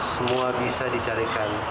semua bisa dicarikan